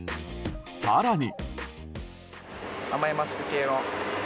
更に。